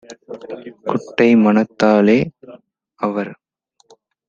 குட்டை மனத்தாலே - அவர்